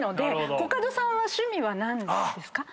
コカドさんは趣味は何ですか？